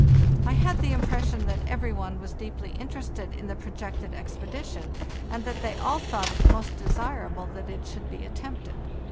"T had the impression that every one was deeply in terested in the projected expedition, and that they all thought it most desirable that it should be attempted.